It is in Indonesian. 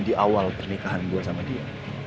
di awal pernikahan gue sama dia